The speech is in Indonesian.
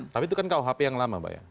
tapi itu kan kuhp yang lama mbak ya